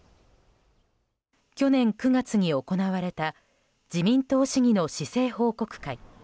去年９月に行われた自民党市議の市政報告会。